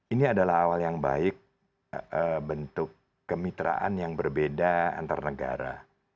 ini adalah awal yang baik bentuk kemitraan yang berbeda antar negara